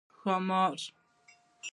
🐉ښامار